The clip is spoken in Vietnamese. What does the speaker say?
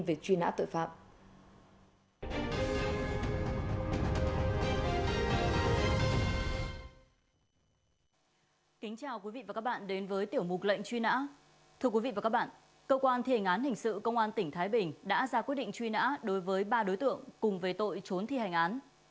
bản tin về truy nã tội phạm